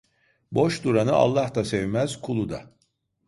Boş duranı Allah da sevmez kulu da…